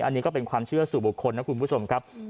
อันนี้ก็เป็นความเชื่อสู่บุคคลนะคุณผู้ชมครับ